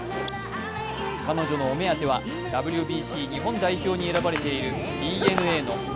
彼女のお目当てはＷＢＣ日本代表に選ばれているＤｅＮＡの牧